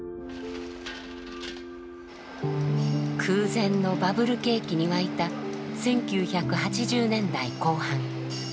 空前のバブル景気に沸いた１９８０年代後半。